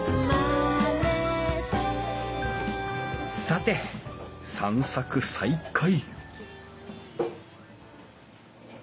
さて散策再開